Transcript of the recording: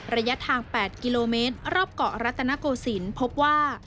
ระยะทาง๘กิโลเมตรรอบเกาะรัตนโกศิลป์พบว่า